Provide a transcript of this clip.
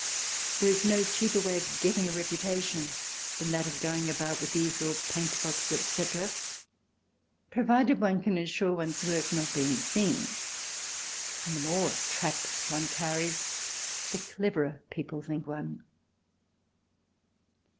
There is no cheaper way of getting a reputation than that of going about with easel, paint box, etc., provided one can ensure one's work not being seen. And the more traps one carries the cleverer people think one.